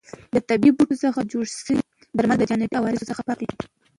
د طبیعي بوټو څخه جوړ شوي درمل د جانبي عوارضو څخه پاک وي.